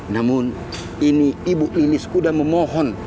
namun ini ibu lilis kuda memohon